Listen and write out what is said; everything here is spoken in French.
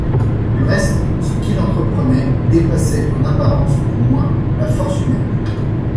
Du reste, ce qu’il entreprenait dépassait, en apparence du moins, la force humaine.